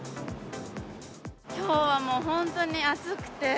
きょうはもう、本当に暑くて。